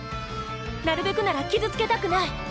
なるべくなら傷つけたくない。